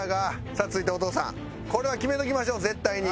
さあ続いてお父さんこれは決めときましょう絶対に。